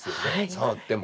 触っても。